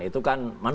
itu kan manusia